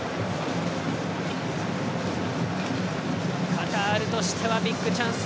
カタールとしてはビッグチャンス